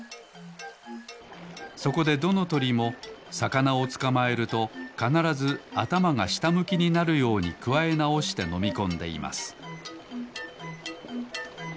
そこでどのとりもさかなをつかまえるとかならずあたまがしたむきになるようにくわえなおしてのみこんでいます